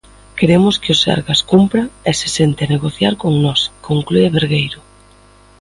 Queremos que o Sergas cumpra e se sente a negociar con nós, conclúe Bergueiro.